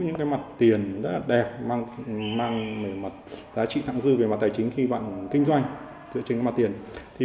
những mặt tiền rất là đẹp mang giá trị thẳng dư về mặt tài chính khi bạn kinh doanh